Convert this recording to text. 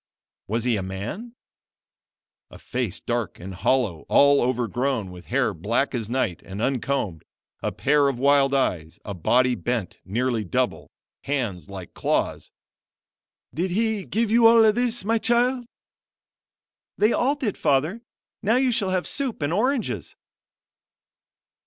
Was he a man? A face dark and hollow, all overgrown with hair black as night and uncombed a pair of wild eyes a body bent nearly double hands like claws. "Did he give you all this, my child?" "They all did, Father; now you shall have soup and oranges."